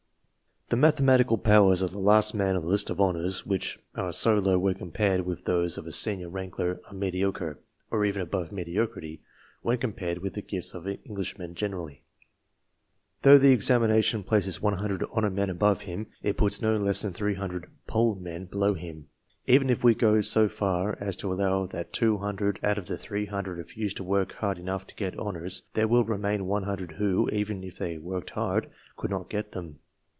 The mathematical powers of the last man on the list of honours, which are so low when compared with those of a senior wrangler, are mediocre, or even above mediocrity, when compared with the gifts of Englishmen generally. Though the examination places 100 honour men above him, it puts no less than 300 " poll men " below him. Even if we go so far as to allow that 200 out of the 300 refuse to work hard enough to get honours, there will remain 100 who, even if they worked hard, could not get them.